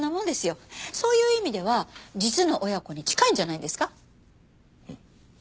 そういう意味では実の親子に近いんじゃないですか？